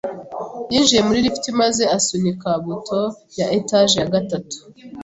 yinjiye muri lift maze asunika buto ya etage ya gatatu.